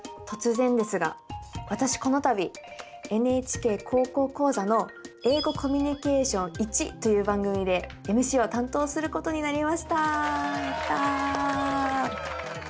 突然ですが私この度「ＮＨＫ高校講座」の「英語コミュニケーションⅠ」という番組でＭＣを担当することになりました。